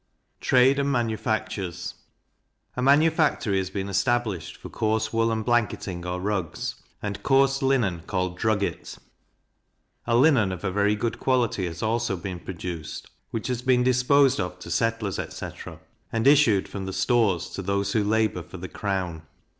Trade and Manufactures. A manufactory has been established for coarse woollen blanketing or rugs, and coarse linen called drugget; a linen of a very good quality has also been produced, which has been disposed of to settlers, etc. and issued from the stores to those who labour for the crown.